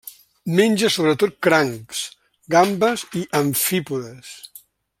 Menja sobretot crancs, gambes i amfípodes.